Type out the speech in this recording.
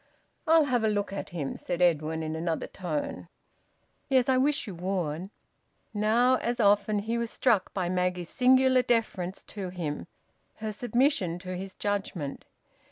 "I'll have a look at him," said Edwin, in another tone. "Yes, I wish you would." Now, as often, he was struck by Maggie's singular deference to him, her submission to his judgement.